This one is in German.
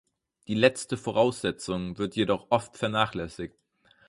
Die letzte Voraussetzung wird jedoch oft vernachlässigt.